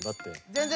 全然！